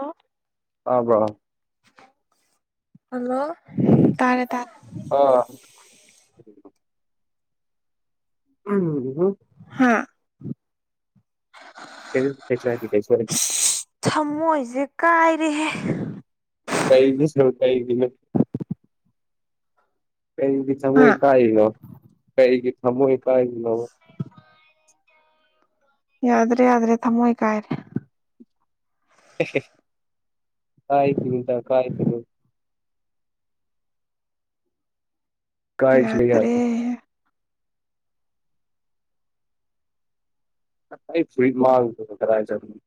ꯑ ꯑꯕꯣ ꯍꯜꯂꯣ ꯇꯥꯔꯦ ꯇꯥꯔ ꯑꯥ ꯎꯝ ꯑꯥ ꯀꯩꯒꯤꯅꯣ ꯊꯃꯣꯏꯁꯦ ꯀꯥꯏꯔꯤꯦꯍꯦ ꯀꯩꯗ ꯁ ꯀꯩꯒꯤꯅ ꯀꯩꯔꯤꯒꯤ ꯊꯣꯏ ꯑ ꯀꯥꯏ ꯂꯣ ꯀꯩꯔꯤꯒꯤ ꯊꯣꯏ ꯀꯥꯏꯅꯣ ꯌꯥꯗ꯭ꯔꯦ ꯌꯥ꯭ꯔꯦ ꯊꯃꯣꯣꯏ ꯀꯥꯏꯔꯤꯦ ꯀꯥꯏ ꯊ ꯅꯨꯗ ꯀꯥꯏ ꯊꯅ ꯀꯥꯏꯈꯤꯕ ꯌꯥꯗ꯭ꯔꯦ ꯌꯥꯗꯦ ꯑꯩ ꯐ ꯃꯥꯥꯡꯒ ꯇꯔꯥꯏꯖꯔꯅꯤ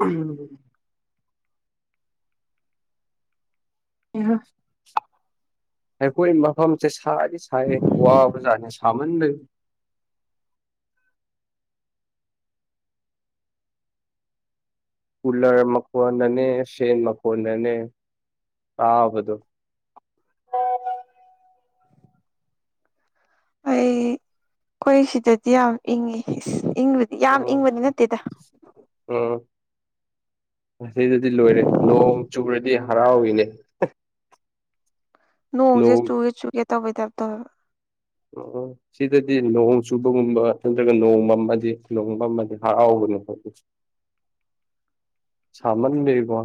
ꯎꯝ ꯑ ꯑꯩꯈꯣꯏ ꯃꯐꯝꯁꯦ ꯁꯗꯤ ꯁꯥꯏ ꯋꯥ ꯖꯥ ꯁꯥꯃꯟꯂ [unintelligible] ꯀꯨꯂꯔ ꯃꯀꯣꯟ ꯅꯅꯦ ꯁꯦ ꯃꯀꯅꯦ ꯑꯥꯎꯕꯣ ꯑꯣ ꯑꯩ ꯑꯩꯈꯣꯏ ꯁꯤꯗꯗꯤ ꯌꯥꯝ ꯏꯪꯉꯤ ꯏꯪꯕꯗꯤ ꯌꯥꯝ ꯎꯝ ꯏꯪꯕꯗꯤ ꯅꯠꯇꯦꯗ ꯎꯝ ꯑꯁꯤꯗꯗꯤ ꯂꯣꯏꯔꯦ ꯅꯣꯡ ꯆꯨꯔꯗꯤ ꯍꯔꯥꯎꯏꯅꯦ ꯅꯣꯡꯁꯦ ꯅꯣꯡ ꯆꯨꯒꯦ ꯆꯨꯒꯦ ꯇꯧꯩ ꯇꯥ ꯇꯧꯋꯦꯕ ꯎꯝ ꯁꯤꯗꯗꯤ ꯂꯨꯍꯣꯡ ꯆꯨꯕꯒꯨꯝꯕ ꯅꯠꯇ꯭ꯔꯒ ꯅꯣꯡꯃ ꯑꯃꯗꯤ ꯂꯍꯣꯡꯕ ꯑꯃꯗꯤ ꯍꯔꯥꯎ [unintelligible] [unintelligible] ꯁꯃꯜ ꯂꯩꯀ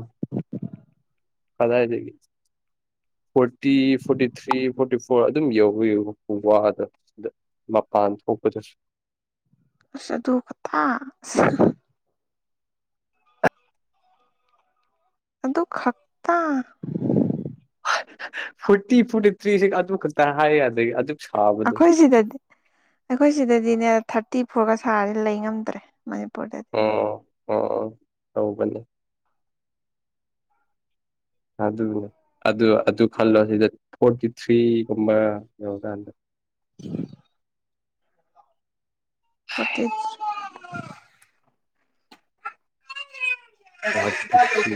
ꯐꯗꯥꯏ ꯂꯩꯒ forty forty three forty four ꯑꯗꯨꯝ ꯌꯎꯤꯌꯨ ꯋꯥꯗ ꯃꯄꯥꯟ ꯊꯣꯛꯀꯗꯁꯤ ꯁꯗꯨ ꯀ ꯊ ꯑꯗꯨꯗ ꯀ ꯈꯛꯇ ꯐꯣꯔꯇꯤ ꯐꯣꯔꯇꯤ ꯊ꯭ꯔꯤꯁꯤ ꯑꯗꯨ ꯈꯛꯇ ꯍꯥꯏ ꯑꯗꯒꯤ ꯑꯩꯈꯣꯏ ꯁꯤꯗꯗꯤ ꯑꯩꯈꯣꯏ ꯁꯤꯗꯗꯤꯅꯦ ꯊꯥꯔꯇꯤ ꯐꯣꯔꯒ ꯁꯥꯔꯗꯤ ꯂꯩ ꯉꯝꯗ꯭ꯔꯦ ꯃꯅꯤꯄꯨꯔꯗꯗꯤ ꯑ ꯇꯧꯒꯅꯦ ꯑꯗꯨꯅꯦ ꯑꯗꯨ ꯑꯗꯨ ꯈꯜꯂꯣ ꯁꯤꯗ ꯐꯣꯔꯇꯤ ꯊ꯭ꯔꯤꯒꯨꯝꯕ ꯌꯧꯔꯀꯥꯟꯗ ꯎ ꯐꯇꯤꯁ ꯐꯣꯔꯇꯤ ꯊ꯭ꯔꯤ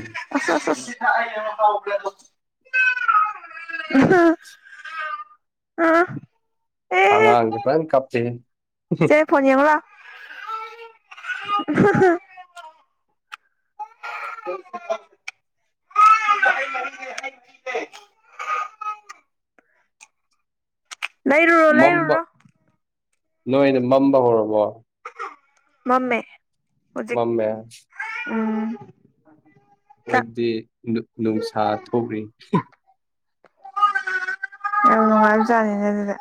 ꯑ [unintelligible] ꯑ ꯑꯥꯡꯦ ꯀꯞꯇꯦ ꯁꯦ ꯐꯅꯤꯪꯂ [unintelligible] [unintelligible] ꯂꯩꯔꯨꯔꯣ ꯃꯝꯕ ꯂꯩꯔꯨꯔꯣ ꯅꯣꯏꯅ ꯃꯝꯕ ꯍꯧꯔꯕꯣ ꯃꯃꯦ ꯃꯃꯦ ꯎꯝ ꯆꯥꯛ ꯍꯣꯏꯗꯤ ꯅꯨꯡꯁꯥ ꯊꯣꯛꯔꯤ ꯌꯥꯝ ꯅꯨꯡꯉꯥꯏꯕꯖꯥꯅꯤꯅꯦ ꯑꯗꯨꯗ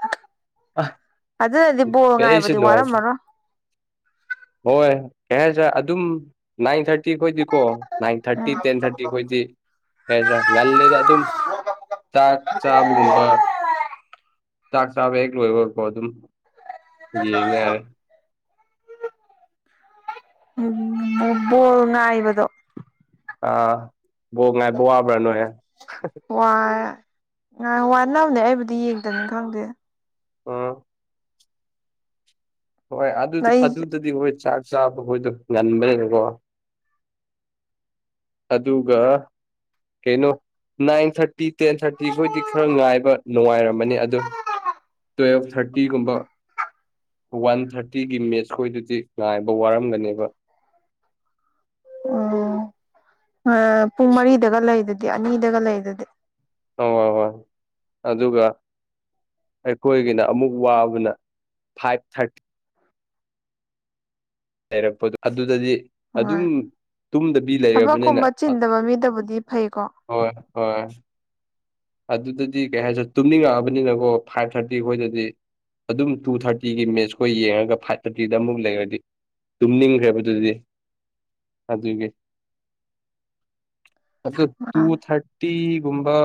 ꯑ ꯑꯗꯨꯅꯗꯤ ꯕꯣ ꯀꯩꯁꯨ ꯉꯥꯏꯕꯗꯤ ꯅꯨꯡꯉꯥꯏꯇꯦ ꯋꯥꯔꯝꯃꯅꯣ ꯍꯣꯏ ꯀꯩ ꯍꯥꯏꯦ ꯑꯗꯨꯝ ꯅꯥꯏꯟ ꯊꯥꯔꯇꯤ ꯊꯥꯔꯇꯤ ꯈꯣꯏꯗꯤꯀꯣ ꯅꯥꯏꯟ ꯊꯥꯔꯇꯤ ꯇꯦꯟ ꯊꯥꯔꯇꯤ ꯈꯣꯏꯗꯤ ꯀꯩꯗ꯭ꯔꯥ ꯉꯜꯂꯤꯦꯗ ꯑꯗꯨꯝ ꯆꯥꯛ ꯆꯥꯕꯒꯨꯝꯕ ꯆꯥꯛ ꯆꯥꯕ ꯍꯦꯛ ꯂꯣꯏꯕ ꯑꯣꯏꯄꯣ ꯑꯗꯨꯝ ꯌꯦꯡꯉꯦ ꯌꯥꯔꯦ ꯕꯣꯜ ꯉꯥꯏꯕꯗꯣ ꯑꯥ ꯕꯣ ꯉꯥꯏꯕ ꯋꯥꯕ꯭ꯔꯥꯅꯣꯏ ꯑ ꯋꯥꯅꯕꯅꯦ ꯑꯩꯕꯨꯗꯤ ꯌꯦꯡꯗꯕꯅꯤ ꯈꯪꯗꯦ ꯑ ꯍꯣꯏ ꯑꯗꯨ ꯑꯩꯁꯦ ꯑꯗꯨꯗꯗꯤ ꯍꯣꯏ ꯆꯥꯛ ꯆꯥꯕ ꯑꯩꯈꯣꯏꯗꯣ ꯉꯟꯕꯅꯦꯀꯣ ꯑꯗꯨꯒꯒ ꯀꯩꯅꯣ ꯅꯟ ꯊꯔꯤ ꯐꯤꯇꯤ ꯇꯦꯟ ꯊꯥꯔꯇꯤꯈꯣꯏꯗꯤ ꯈꯔ ꯉꯥꯏꯕ ꯅꯨꯡꯉꯥꯏꯔꯝꯃꯅꯤ ꯑꯗꯨ ꯇꯨꯋꯦꯜꯐ ꯊꯥꯔꯇꯤꯒꯨꯝꯕ ꯋꯥꯟ ꯊꯥꯔꯇꯤꯒꯤ ꯃꯦꯠꯁ ꯈꯣꯏꯗꯨꯗꯤ ꯉꯥꯏꯕ ꯋꯥꯔꯝꯒꯅꯦꯕ ꯑꯣ ꯄꯨꯡ ꯃꯔꯤꯗꯒ ꯂꯩꯗꯗꯤ ꯑꯅꯤꯗꯒ ꯂꯩꯗꯗꯤ ꯍ ꯍ ꯍꯣꯏ ꯑꯗꯨꯒ ꯑꯩꯈꯣꯏꯒꯤꯅ ꯑꯃꯨꯛ ꯋꯥꯕꯅ ꯐꯥꯏꯚ ꯊꯥꯔꯇꯤ ꯂꯩꯔꯛꯄꯗꯣ ꯑꯗꯨꯗꯗꯤ ꯑꯗꯨꯝ ꯍꯣꯏ ꯇꯨꯝꯗꯕꯤ ꯂꯩꯔꯕꯅꯤꯅ ꯊꯕꯛꯀꯨꯝꯕ ꯆꯤꯟꯗꯕ ꯃꯤꯗꯕꯨꯗꯤ ꯐꯩꯀꯣ ꯍꯣꯏ ꯍꯣꯏ ꯑꯗꯨꯗꯗꯤ ꯀꯩ ꯍꯥꯏꯁ ꯇꯨꯝꯅꯤꯡꯉꯛꯑꯕꯅꯤꯅꯀꯣ ꯐꯥꯏꯚ ꯊꯥꯔꯇꯤ ꯑꯩꯈꯣꯏꯗꯗꯤ ꯑꯗꯨꯝ ꯇꯨ ꯊꯥꯔꯇꯤꯒꯤ ꯃꯦꯠꯁꯈꯣꯏ ꯌꯦꯡꯉꯒ ꯐꯥꯏꯚ ꯊꯥꯔꯇꯤꯗ ꯑꯃꯨꯛ ꯂꯩꯔꯗꯤ ꯇꯨꯝꯅꯤꯡꯈ꯭ꯔꯦꯕ ꯑꯗꯨꯗꯤ ꯑꯗꯨꯒꯤ [unintelligible] ꯑ ꯇꯨ ꯊꯥꯔꯇꯤꯒꯨꯝꯕ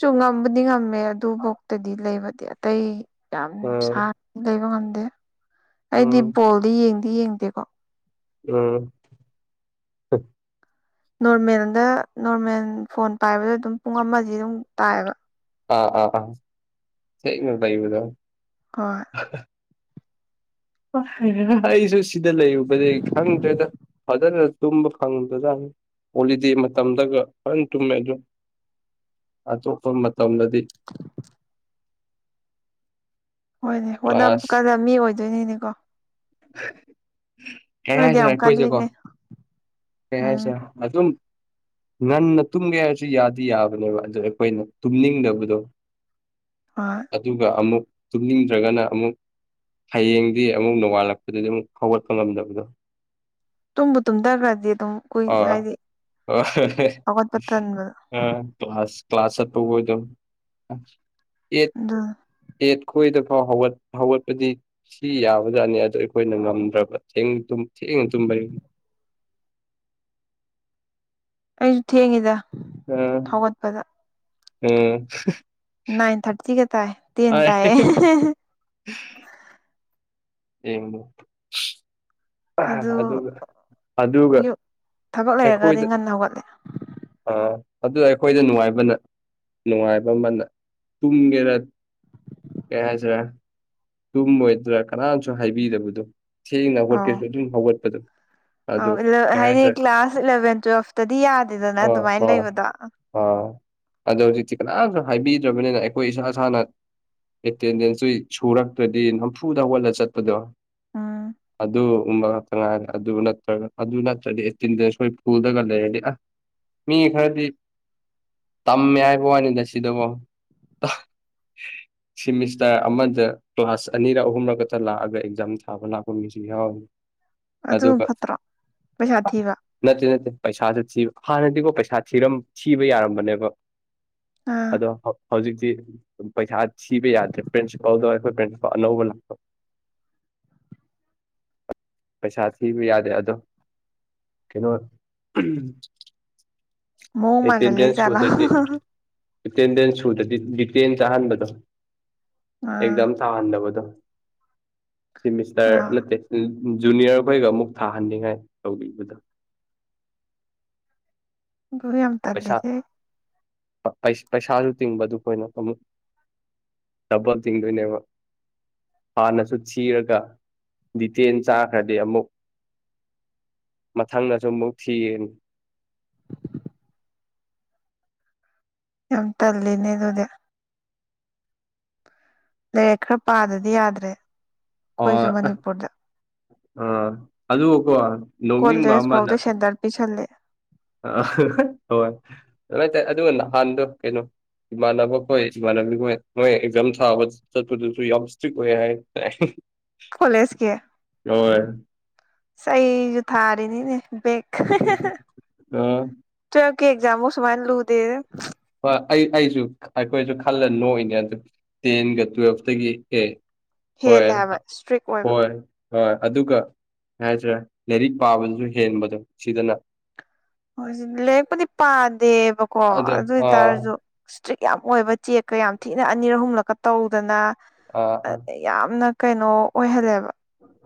ꯁꯨ ꯉꯝꯕꯗꯤ ꯉꯝꯃꯦ ꯑꯗꯨꯐꯥꯎꯇꯗꯤ ꯂꯩꯕꯗꯤ ꯑꯇꯩ ꯌꯥꯝ ꯑ ꯁꯥꯥꯡ ꯂꯩꯕ ꯉꯝꯗ ꯑꯩꯗꯤ ꯎꯝ ꯕꯣꯜꯗꯤ ꯌꯦꯡꯗꯤ ꯌꯦꯡꯗꯦꯀꯣ ꯎꯝ ꯅꯣꯔꯃꯦꯜꯗ ꯅꯣꯔꯃꯦꯜ ꯐꯣꯟ ꯄꯥꯏꯕꯗ ꯑꯗꯨꯝ ꯄꯨꯡ ꯑꯃꯗꯤ ꯑꯗꯨꯝ ꯇꯥꯏꯑꯕ ꯑꯥ ꯑꯥ ꯑꯥ ꯅ ꯊꯗ ꯍ ꯑꯩꯁꯨ ꯁꯤꯗ ꯂꯩꯔꯨꯕꯗꯤ ꯈꯪꯗ꯭ꯔꯦꯗ ꯐꯖꯅ ꯇꯨꯝꯕ ꯐꯪꯗꯖꯥꯅꯤ ꯍꯣꯂꯤꯗꯦ ꯃꯇꯝꯗꯒ ꯐꯅ ꯇꯨꯝꯃꯦ ꯑꯗꯨꯝ ꯑꯇꯣꯞꯄ ꯇꯝꯕꯗꯤ ꯍꯣꯏꯅꯦ ꯍꯣꯠꯅꯕ ꯀ꯭ꯂꯥꯁ ꯀꯥꯟꯗ ꯃꯤ ꯑꯣꯏꯗꯣꯏꯅꯤꯅꯦꯀꯣ ꯌꯥ ꯅꯣꯏꯗꯤ ꯍꯥꯏꯁ ꯌꯥꯝ ꯑꯩꯈꯣꯏꯁꯦꯀꯣ ꯀꯜꯂꯤꯅꯦ ꯎꯝ ꯀꯦꯁ ꯑꯗꯨ ꯑꯗꯨ ꯉꯟꯅ ꯇꯨꯝꯒꯦ ꯍꯥꯏꯔꯁꯨ ꯌꯥꯗꯤ ꯌꯥꯕꯅꯦꯕ ꯑꯗꯨꯗꯣ ꯑꯩꯈꯣꯏꯅ ꯇꯨꯝꯅꯤꯡꯗꯕꯗꯣ ꯍꯣꯏ ꯑꯗꯨꯒ ꯑꯃꯨꯛ ꯇꯨꯝꯅꯤꯡꯗ꯭ꯔꯒꯅ ꯑꯃꯨꯛ ꯍꯌꯦꯡꯗꯤ ꯑꯃꯨꯛ ꯅꯣꯡꯉꯥꯜꯂꯛꯄꯗꯗꯤ ꯑꯃꯨꯛ ꯍꯧꯒꯠꯄ ꯉꯝꯗꯕꯗꯣ ꯇꯨꯝꯝꯕ ꯇꯨꯝꯒꯗ ꯑ ꯑ ꯍꯧꯒꯠꯄ ꯇꯟꯕꯗꯣ ꯑ ꯀ꯭ꯂꯥꯁ ꯆꯠꯄꯕꯨ ꯑꯣꯏꯗꯕ ꯑꯠ ꯑꯦꯠ ꯑꯗꯨꯅ ꯑꯩꯈꯣꯏꯗ ꯐꯥꯎ ꯍꯧꯒꯠꯄꯗꯤ ꯁꯤ ꯌꯥꯕꯖꯥꯠꯅꯤ ꯑꯗꯣ ꯑꯩꯈꯣꯏꯅ ꯉꯝꯗ꯭ꯔꯕ ꯆꯦꯡ ꯑꯗꯨꯝ ꯊ ꯇ [unintelligible] ꯑꯩꯁꯨ ꯊꯦꯡꯉꯤꯗ ꯍꯧꯒꯠꯄꯗ ꯎꯝ ꯅꯥꯟ ꯊꯥꯔꯇꯤꯒꯦ ꯇꯥꯏ ꯇꯦꯟ ꯇꯥꯏꯌꯦ ꯍ ꯌꯦꯕ ꯑꯗꯨ ꯑꯗꯨꯒ ꯑꯗꯨꯒ ꯌꯨ ꯊꯕꯛ ꯂꯩꯔꯒꯗꯤ ꯑꯩꯈꯣꯏꯗ ꯉꯟꯅ ꯍꯧꯒꯠꯂꯦ ꯑꯥ ꯑꯗꯨ ꯑꯩꯈꯣꯏꯗ ꯅꯨꯡꯉꯥꯏꯕꯅ ꯅꯨꯡꯉꯥꯏꯕ ꯑꯃꯅ ꯇꯨꯝꯒꯦꯔ ꯀꯖꯔ ꯇꯨꯝꯃꯣꯏꯗ꯭ꯔꯥ ꯀꯅꯥꯅꯁꯨ ꯍꯥꯏꯕꯤꯗꯕꯗꯣ ꯊꯦꯡꯅ ꯍꯧꯣꯠꯀꯦꯁꯨ ꯑꯗꯨꯝ ꯍꯧꯒꯠꯄꯗꯣ ꯑ ꯑꯗꯨ ꯀꯩ ꯍꯥꯏꯗꯤ ꯍꯥꯏꯇꯥꯔꯦ ꯀ꯭ꯂꯥꯁ ꯏꯂꯚꯦꯟ ꯇꯨꯋꯦꯜꯐꯇꯗꯤ ꯌꯥꯗꯦꯗꯅ ꯑꯗꯨꯃꯥꯏꯅ ꯍꯣꯏ ꯂꯩꯕꯗꯣ ꯑ ꯑꯗꯣ ꯍꯧꯖꯤꯛꯇꯤ ꯀꯅꯥꯝꯁꯨ ꯍꯥꯏꯕꯤꯗ꯭ꯔꯕꯅꯤꯅ ꯑꯩꯈꯣꯏ ꯏꯁꯥ ꯏꯁꯥꯅ ꯑꯦꯇꯦꯟꯗꯦꯟꯁꯇꯨ ꯁꯨꯔ ꯗꯤ ꯅꯝꯐꯨꯗ ꯑꯣꯜꯂ ꯆꯠꯄꯗꯣ ꯎꯝ ꯑꯗꯨ ꯨꯝꯕ ꯉꯥꯛꯇ ꯉꯥꯏꯔꯦ ꯑꯗꯨ ꯅꯠꯇ꯭ꯔꯒ ꯑꯗꯨ ꯅꯠꯇ꯭ꯔꯗꯤ ꯇꯤꯟꯗ ꯁꯣꯏ ꯐꯨꯜꯗꯒ ꯂꯩꯔꯗꯤ ꯑ ꯃꯤ ꯈꯔꯗꯤ ꯇꯝꯃꯦ ꯍꯥꯏꯕ ꯋꯥꯅꯤꯗ ꯁꯤꯗꯕꯣ ꯁꯤꯃꯤꯁꯇ ꯑꯃꯗ ꯀ꯭ꯂꯥꯁ ꯑꯅꯤꯔꯛ ꯑꯍꯨꯝꯔ ꯈꯛꯇ ꯂꯥꯛꯑꯒ ꯑꯦꯛꯖꯥꯝ ꯊꯥꯕ ꯂꯥꯛꯄ ꯃꯤꯁꯨ ꯌꯥꯎꯏ ꯑꯗꯨ ꯄꯩꯁꯥ ꯊꯤꯕ ꯅ ꯅ ꯄꯩꯁꯥꯥꯁꯦ ꯊ ꯍꯥꯟꯅꯗꯤꯀꯣ ꯄꯩꯁꯥ ꯊꯔ ꯊꯤꯕ ꯌꯥꯔꯝꯕꯅꯦꯕ ꯑꯥ ꯑꯗꯣ ꯍꯧꯖꯤꯛꯇꯤ ꯄꯩꯁꯥ ꯊꯤꯕ ꯌꯥꯗ꯭ꯔꯦ ꯄ꯭ꯔꯤꯟꯁꯤꯄꯥꯜꯗꯣ ꯑꯩꯈꯣꯏ ꯅꯧꯕ ꯂꯥꯛꯄ ꯄꯩꯁꯥ ꯊꯕꯨ ꯌꯥꯗ ꯌꯥꯗꯣ ꯀꯩꯅꯣ ꯃꯑꯣꯡ ꯃꯥꯜꯍꯜꯂꯤ ꯑꯦꯇꯦꯟꯗ꯭ꯔꯦꯟꯁ ꯖꯥꯠꯂꯥ ꯍꯗꯗꯤ ꯑꯦꯇꯦꯟꯗꯦꯟ ꯁꯨꯗꯗꯤ ꯗꯤꯇꯦꯟ ꯆꯥꯍꯟꯕꯗꯣ ꯑꯥ ꯑꯦꯛꯖꯥꯝ ꯊꯥꯍꯟꯗꯕꯗꯣ ꯁꯤꯃꯤꯁꯇꯔ ꯑꯥ ꯅꯠꯇꯦ ꯖꯨꯅꯤꯌꯔꯈꯩꯒ ꯑꯃꯨꯛ ꯊꯥꯍꯟꯅꯤꯡꯉꯥꯏ ꯇꯧꯕꯤꯕꯗ ꯒ ꯌꯥꯝ ꯇꯜꯂꯤꯁꯦ ꯄꯩꯁꯥꯁꯨ ꯇꯤꯡꯕꯗꯨ ꯑꯩꯈꯣꯏꯅ ꯑꯃꯨꯛ ꯗꯕꯜ ꯇꯤꯡꯗꯣꯏꯅꯦꯕ ꯍꯥꯟꯅꯁꯨ ꯊꯤꯔꯒ ꯗꯤꯇꯦꯟ ꯆꯥꯈ꯭ꯔꯗꯤ ꯑꯃꯨꯛ ꯃꯊꯪꯗꯁꯨ ꯑꯃꯨꯛ ꯊꯤꯒꯅꯤ ꯌꯥꯝ ꯇꯜꯂꯤꯅꯦ ꯑꯗꯨꯗꯤ ꯂꯥꯏꯔꯤꯛ ꯈꯔ ꯄꯥꯗꯗꯤ ꯌꯥꯗ꯭ꯔꯦ ꯑꯣ ꯑꯩꯈꯣꯏꯁꯨ ꯃꯅꯤꯄꯨꯔꯗ ꯑꯥ ꯑꯗꯨꯀꯣ ꯂꯧꯅꯤꯡꯕ ꯀꯣꯂꯦꯖ ꯑꯃꯅ ꯐꯥꯎꯗ ꯁꯦꯟꯇꯔ ꯄꯤꯁꯜꯂꯦ ꯑ ꯍꯣꯏ ꯑꯗꯨꯥꯏ ꯇꯔꯦ ꯑꯗꯨꯒ ꯅꯍꯥꯟꯗꯣ ꯀꯩꯅꯣ ꯏꯃꯥꯟꯅꯕ ꯍꯣꯏ ꯏꯃꯥꯟꯅꯕꯤ ꯍꯣꯏ ꯃꯣꯏ ꯑꯦꯛꯖꯥꯝ ꯊꯥꯕ ꯆꯠꯄꯗꯨꯁꯨ ꯌꯥꯝ ꯏꯁꯇ꯭ꯔꯤꯛ ꯑꯣꯏ ꯍꯥꯏ ꯇ ꯀꯣꯂꯦꯖꯀꯤ ꯏꯁꯩꯁꯨ ꯊꯥꯔꯤꯅꯤꯅꯦ ꯕꯦꯛ ꯑꯥ ꯑꯦꯛꯖꯝ ꯑꯣ ꯁꯨꯃꯥꯏꯅ ꯂꯨꯗꯦ ꯍꯣꯏ ꯑꯩ ꯑꯩꯁꯨ ꯑꯩꯈꯣꯏꯁꯨ ꯈꯜꯂ ꯅꯣꯏꯅꯦ ꯑꯗꯨ ꯇꯦꯟꯒ ꯇꯨꯋꯦꯜꯐꯇꯒꯤ ꯑꯦ ꯍꯣꯏꯣꯏ ꯍꯦꯜꯂꯦ ꯍꯥꯏꯕ ꯏꯁꯇ꯭ꯔꯤꯛ ꯑꯣꯏꯕ ꯍꯣꯏ ꯍꯣꯏ ꯑꯗꯨꯒ ꯍꯥꯏꯇꯥꯔꯦ ꯂꯥꯏꯔꯤꯛ ꯄꯥꯕꯗꯨꯁꯨ ꯍꯦꯟꯕꯗꯣ ꯁꯤꯗꯅ ꯖꯤ ꯂꯔꯛꯄꯨꯗꯤ ꯄꯥꯗꯦꯕꯀꯣ ꯑꯗꯣ ꯑꯗꯨ ꯑꯥ ꯑꯣꯏꯇꯥꯔꯁꯨ ꯏꯁꯇ꯭ꯔꯤꯛ ꯌꯥꯝ ꯑꯣꯏꯕ ꯆꯦꯛꯀ ꯌꯥꯝ ꯊꯤꯅ ꯑꯅꯤꯔ ꯑꯍꯨꯝꯂꯛꯀ ꯇꯧꯗꯅ ꯑꯥ ꯑꯥ ꯌꯥꯝꯅ ꯀꯩꯅꯣ ꯑꯣꯏꯍꯜꯂꯦꯕ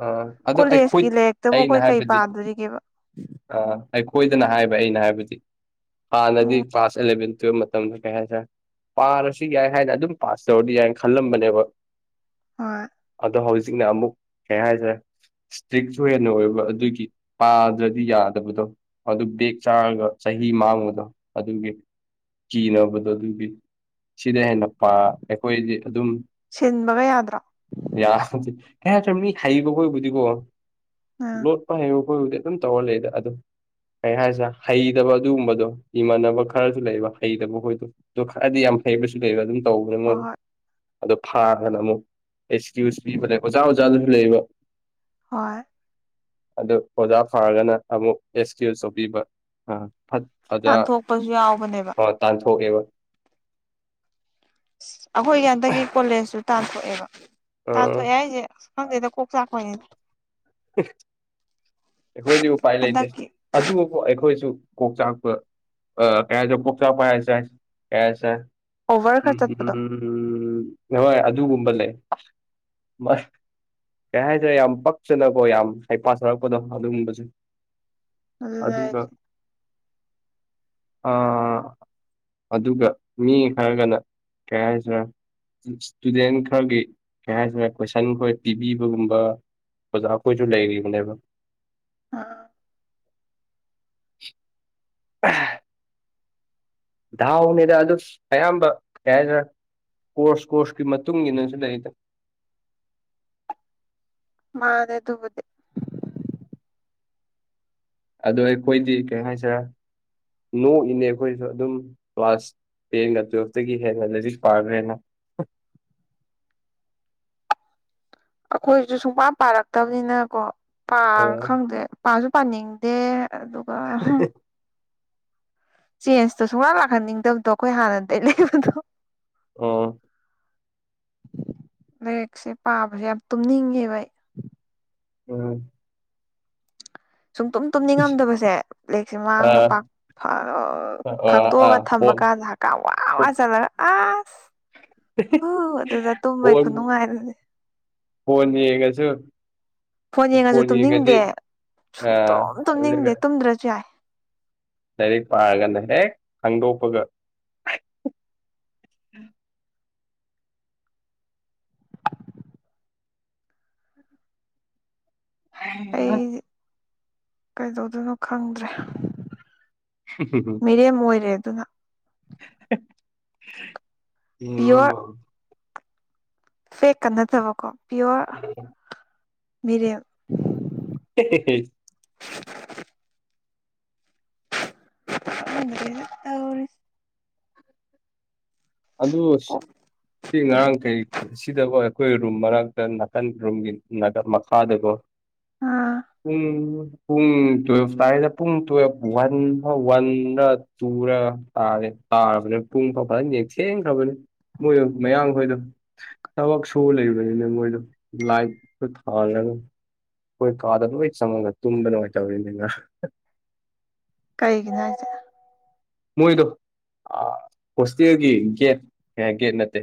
ꯑꯥ ꯑꯗꯣ ꯑꯩꯈꯣꯏ ꯀꯣꯂꯦꯖꯀꯤ ꯂꯥꯏꯔꯤꯛꯇꯕꯨ ꯑꯩꯅ ꯑꯩꯈꯣꯏ ꯀꯩ ꯍꯥꯏꯕꯗꯤ ꯄꯥꯗꯣꯔꯤꯒꯦꯕ ꯑꯥ ꯑꯩꯈꯣꯏꯗꯅ ꯍꯥꯏꯕ ꯑꯩꯅ ꯍꯥꯏꯕꯗꯤ ꯍꯥꯟꯅꯗꯤ ꯎꯝ ꯀ꯭ꯂꯥꯁ ꯑꯦꯂꯚꯦꯟ ꯑꯗꯨ ꯃꯇꯝꯗ ꯀꯩ ꯍꯥꯏꯇꯥꯔꯦ ꯄꯥꯔꯁꯨ ꯌꯥꯏ ꯍꯥꯏꯅ ꯑꯗꯨꯝ ꯄꯥꯁ ꯇꯧꯔꯗꯤ ꯌꯥꯏꯅ ꯈꯜꯂꯝꯕꯅꯦꯕ ꯍꯣꯏ ꯑꯗꯣ ꯍꯧꯖꯤꯛꯅ ꯑꯃꯨꯛ ꯀꯩ ꯍꯥꯏꯁꯔꯦ ꯏꯁꯇ꯭ꯔꯤꯛꯁꯨ ꯍꯦꯟꯅ ꯑꯣꯏꯕ ꯑꯗꯨꯒꯤ ꯄꯥꯗ꯭ꯔꯗꯤ ꯌꯥꯗꯕꯗꯣ ꯑꯗꯨ ꯕꯦꯦꯛ ꯆꯥꯔꯒ ꯆꯍꯤ ꯃꯥꯡꯕꯗꯣ ꯑꯗꯨꯒꯤ ꯀꯤꯅꯕꯗꯣ ꯑꯗꯨꯒꯤ ꯁꯤꯗ ꯍꯦꯟꯅ ꯄ ꯑꯩꯈꯣꯏꯗꯤ ꯑꯗꯨꯝ ꯁꯤꯟꯕꯒ ꯌꯥꯗ꯭ꯔꯣ ꯌꯥꯔꯦ ꯀꯩ ꯍꯥꯏꯇ꯭ꯔꯦ ꯃꯤ ꯍꯩꯕꯈꯣꯏꯕꯨꯗꯤꯀꯣ ꯎꯝ ꯂꯣꯠꯄ ꯍꯩꯕ ꯑꯩꯣꯏꯕꯨꯗꯤ ꯑꯗꯨꯝ ꯇꯧꯍꯂꯗ ꯑꯗꯨ ꯀꯩ ꯍꯥꯏꯁꯦ ꯍꯩꯇꯕ ꯑꯗꯨꯒꯨꯝꯕꯗꯣ ꯏꯃꯥꯟꯅꯕ ꯈꯔꯁꯨ ꯂꯩꯕ ꯍꯩꯇꯕ ꯍꯣꯏꯗꯣ ꯑꯗꯨ ꯈꯔꯗꯤ ꯌꯥꯝ ꯍꯩꯕꯁꯨ ꯂꯩꯕ ꯑꯗꯨꯝ ꯇꯧꯕꯅꯦ ꯃꯣꯏ ꯍꯣꯏ ꯍꯣꯏ ꯑꯗꯣ ꯐꯥꯗꯅ ꯑꯃꯨꯛ ꯑꯦꯛꯁꯀ꯭ꯌꯨ ꯄꯤꯕ ꯂꯩ ꯁꯨ ꯂꯩꯕ ꯍꯣꯏ ꯑꯗꯨ ꯑꯣꯖꯥ ꯐꯥꯔꯒꯅ ꯑꯃꯨꯛ ꯑꯦꯛꯁꯀ꯭ꯌꯨꯁ ꯇꯧꯕꯤꯕ ꯑꯥ ꯐꯠ ꯐꯖ ꯇꯥꯟꯊꯣꯛꯄꯁꯨ ꯌꯥꯎꯕꯅꯦꯕ ꯇꯥꯟꯊꯣꯛꯑꯦꯕ ꯑꯩꯈꯣꯏꯒꯤ ꯍꯟꯇꯛ ꯀꯣꯂꯦꯖꯁꯨꯨ ꯇꯥꯟꯊꯣꯛꯑꯦꯕ ꯑ ꯇꯥꯊ ꯑꯦꯏꯦꯖꯦ ꯀ ꯆꯥꯀꯣꯏ ꯑꯩꯈꯣꯏꯗꯤ ꯎꯄꯥꯏ ꯂꯩꯇꯦ ꯍꯟꯗꯛꯀꯤ ꯑꯗꯨꯕꯨ ꯑꯩꯈꯣꯏꯁꯨ ꯀꯣꯛꯆꯥꯛꯄ ꯑ ꯀꯌꯥ ꯀꯣꯛꯆꯥꯛꯄ ꯍꯥꯏ ꯁꯥꯏ ꯀꯌꯥ ꯍꯥꯏ ꯁꯥꯏ ꯑꯣꯚꯔ ꯈꯔ ꯆꯠꯄꯗꯣ ꯎꯝꯝꯝ ꯅꯣꯏ ꯑꯗꯨꯒꯨꯝꯕ ꯂꯩ ꯀꯩ ꯍꯥꯏꯇꯥꯔꯦ ꯌꯥꯝ ꯄ ꯅꯀꯣ ꯌꯥꯝ ꯍ ꯄꯊꯔꯛꯄꯗꯣ ꯑꯗꯨꯒꯨꯝꯕꯁꯦ ꯑꯗꯨ ꯍꯥꯏꯦ ꯑꯗꯨꯒ ꯑꯥ ꯑꯗꯨꯒ ꯃꯤ ꯈꯔꯒꯅ ꯀꯩ ꯍꯥꯏꯁꯤꯔ ꯏꯁꯇꯨꯗꯦꯟ ꯈꯔꯒꯤ ꯀꯩ ꯍꯥꯏꯇꯥꯔꯦ ꯀꯣꯏꯁꯟ ꯈꯣꯏ ꯄꯤꯕꯤꯕꯒꯨꯝꯕ ꯑꯣꯖꯥꯈꯣꯏꯁꯨ ꯂꯩꯒ ꯃꯅꯦꯕ ꯑ ꯑ ꯅꯤꯗ ꯑꯗꯨ ꯑꯌꯥꯝꯕ ꯀꯗ꯭ꯔꯥ ꯀꯣꯔꯁ ꯀꯣꯔꯁꯀꯤ ꯃꯇꯨꯡ ꯏꯟꯅꯁꯨ ꯂꯩꯗ ꯃꯥꯅꯦꯦ ꯗꯦ ꯑꯗꯣ ꯑꯩꯈꯣꯏꯗꯤ ꯀꯩ ꯍꯥꯏꯁꯔꯦ ꯅꯣꯛꯏꯅꯦ ꯑꯩꯈꯣꯏꯁꯨ ꯑꯗꯨꯝ ꯀ꯭ꯂꯥꯁ ꯄ ꯉꯗꯛꯇꯒꯤ ꯍꯦ ꯑꯗꯨꯗꯤꯁꯨ ꯄꯥꯔꯔꯦꯅ [inaudible] ꯑꯩꯈꯣꯏꯁꯨ ꯁꯨꯡꯄꯥ ꯄꯥꯔꯛꯇꯕꯅꯤꯅ ꯀꯣ ꯄꯥ ꯑꯥ ꯈꯪꯗꯦ ꯄꯥꯁꯨ ꯄꯥꯅꯤꯡꯗꯦ ꯑꯗꯨꯒ ꯆꯦꯟꯖꯇꯣ ꯁꯨꯡꯂꯥꯛ ꯂꯥꯛꯍꯟꯅꯤꯡꯗꯕꯗꯣ ꯑꯩꯈꯣꯏ ꯍꯥꯟꯅꯗꯒꯤꯩ ꯂꯩꯕꯗꯣ ꯑꯣ ꯔꯦꯛꯁꯦ ꯄꯥꯕꯁꯦ ꯌꯥꯝ ꯇꯨꯝꯅꯤꯡꯉꯦ ꯚꯥꯏ ꯑꯝ ꯁꯨꯡꯨꯝ ꯇꯨꯝ ꯇꯨꯝꯅꯤꯡꯉꯝꯗꯕꯁꯦ ꯂꯦꯛꯁꯦ ꯑꯥ ꯃꯃꯥꯡꯗꯥꯛ ꯑꯥ ꯑꯥ ꯐꯥꯛꯇꯣꯛꯑꯒ ꯊꯃ ꯐꯣꯟ ꯀꯥꯟꯗ ꯀ ꯋꯥꯋꯥ ꯆꯂ ꯑ ꯍꯣ ꯑꯗꯨꯗ ꯇꯨꯝꯕꯩ ꯈꯨꯅꯨꯡꯉꯥꯏꯔꯗꯤ ꯐꯅꯤ ꯌꯦꯒꯁꯨ ꯐꯣꯟ ꯌꯦꯡꯉꯁꯨ ꯐꯣꯅꯦ ꯌꯦꯪ ꯉꯗꯦ ꯇꯨꯝꯅꯤꯡꯗꯦ ꯑ ꯁꯨꯡꯇꯨꯝ ꯑꯗꯨ ꯇꯨꯝꯅꯤꯡꯗꯦ ꯇꯨꯝꯗ꯭ꯔꯁꯨ ꯌꯥꯏ ꯂꯩꯔꯤ ꯄꯥꯔꯒꯅꯦ ꯍꯦ ꯍꯪꯒꯣꯄꯒ [inaudible] ꯍ ꯑꯩ ꯀꯩꯗꯧꯗꯣꯏꯅꯣ ꯈꯪꯗ꯭ꯔꯦ ꯃꯤꯔꯦꯝ ꯑꯣꯏꯔꯦ ꯑꯗꯨꯅ ꯑ ꯄꯤꯌꯣꯔ [unintelligible] ꯐꯦꯛꯀ ꯅꯠꯇꯕꯀꯣ ꯄꯤꯌꯣꯔ ꯃꯤꯔꯦꯜ [inaudible] ꯇꯧꯔꯤꯁꯤ ꯑꯗꯨ ꯀꯣꯛ ꯁꯤ ꯉꯔꯥꯡ ꯀꯩ ꯁꯤꯗ ꯑꯣꯏ ꯑꯩꯈꯣꯏ ꯔꯨꯝ ꯃꯔꯛꯇ ꯅꯥꯀꯟ ꯔꯨꯝꯒꯤ ꯅꯥ ꯃꯈꯥꯗꯀꯣ ꯑꯥ ꯎꯝ ꯄꯨꯡ ꯇꯨꯋꯜꯐ ꯇꯥꯔꯤꯗ ꯄꯨꯡ ꯇꯨꯋꯜꯐ ꯋꯥꯟ ꯋꯥꯟ ꯇꯨꯔ ꯇꯥꯔꯦ ꯇꯥꯔꯕꯅꯦ ꯄꯨꯡ ꯄꯥꯄ ꯌꯦꯛꯁꯦꯈ꯭ꯔꯕꯅꯦ ꯃꯣꯏꯗ ꯃꯌꯥꯝꯈꯣꯏꯗꯣ ꯊꯕꯛ ꯁꯨ ꯂꯩꯕꯅꯤꯅ ꯃꯣꯏꯗꯣ ꯂꯥꯏ ꯊꯥ ꯑꯩꯈꯣꯏ ꯀꯥꯗ ꯂꯣꯏ ꯆꯪꯉꯒ ꯇꯨꯝꯕ ꯅꯨꯡꯉꯥꯏꯅ ꯇꯧꯔꯤꯅꯤꯅ ꯀꯩꯒꯤꯅꯣ ꯍꯥꯏꯁꯦ ꯃꯣꯏꯗꯣ ꯍꯣꯁꯇꯦꯜꯒꯤ ꯒꯦꯠ ꯒꯦꯠ ꯅꯠꯇꯦ